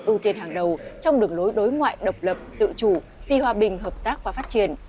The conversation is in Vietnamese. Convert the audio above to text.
ưu tiên hàng đầu trong đường lối đối ngoại độc lập tự chủ vì hòa bình hợp tác và phát triển